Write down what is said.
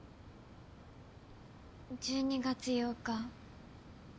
１２月８日。